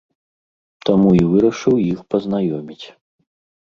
Таму і вырашыў іх пазнаёміць.